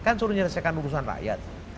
kan suruh menyelesaikan urusan rakyat